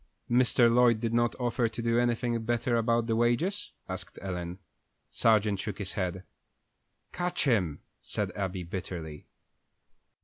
"Mr. Lloyd did not offer to do anything better about the wages?" asked Ellen. Sargent shook his head. "Catch him!" said Abby, bitterly.